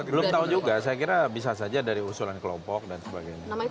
belum tahu juga saya kira bisa saja dari usulan kelompok dan sebagainya